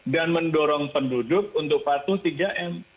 dan mendorong penduduk untuk patung tiga m